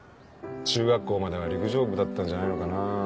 中学校までは陸上部だったんじゃないかなぁ。